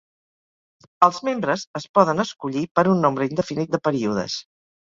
Els membres es poden escollir per un nombre indefinit de períodes.